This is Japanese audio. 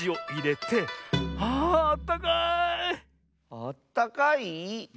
あったかい？